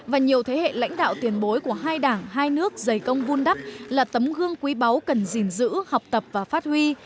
và nhiều thế hệ lãnh đạo tiền bối của hai đảng hai nước dày công vun đắp là tấm gương quý báu cần gìn giữ học tập và phát huy